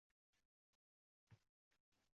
— Chiroyli qo‘nish!